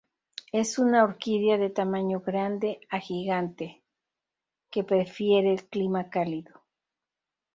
Es una orquídea de tamaño grande a gigante que prefiere el clima cálido.